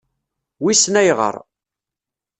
Wissen ayɣeṛ.